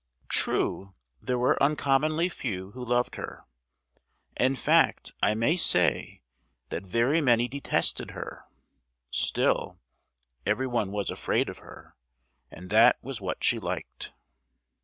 True, there were uncommonly few who loved her—in fact I may say that very many detested her; still, everyone was afraid of her, and that was what she liked!